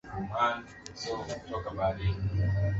wamemchagua makamu wa rais wa zamani atiku abubakar